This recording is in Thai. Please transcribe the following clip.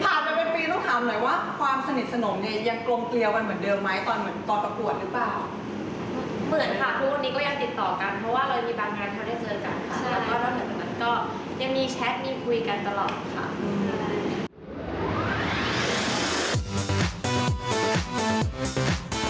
ผ่านไปเป็นปีต้องถามหน่อยว่าความสนิทสนมยังกลมเกลียวมันเหมือนเดิมไหมตอนประกวดหรือเปล่า